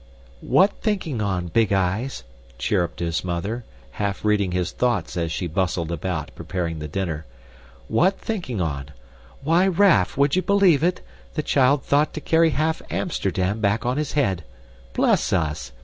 "What thinking on, Big eyes?" chirruped his mother, half reading his thoughts as she bustled about, preparing the dinner. "What thinking on? Why, Raff, would ye believe it, the child thought to carry half Amsterdam back on his head. Bless us!